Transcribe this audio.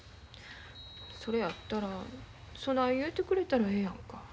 それやったらそない言うてくれたらええやんか。